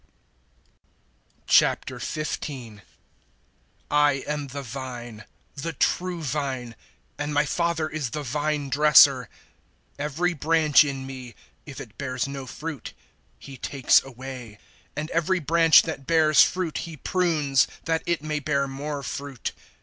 015:001 "I am the Vine the True Vine, and my Father is the vine dresser. 015:002 Every branch in me if it bears no fruit, He takes away; and every branch that bears fruit He prunes, that it may bear more fruit.